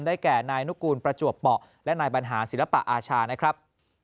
แก่นายนุกูลประจวบเปาะและนายบรรหารศิลปะอาชานะครับ